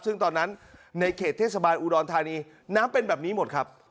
ซึ่งตอนนั้นในเขตเทศบาลอุดรธานีน้ำเป็นแบบนี้หมดครับ